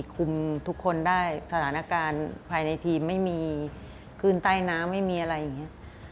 คุมทุกคนได้สถานการณ์ภายในทีมไม่มีขึ้นใต้น้ำไม่มีอะไรอย่างนี้